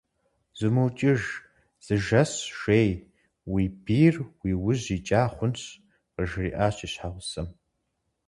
Зумыукӏыж, зы жэщ жей, уи бийр уи ужь икӏа хъунщ, - къыжриӏащ и щхьэгъусэм.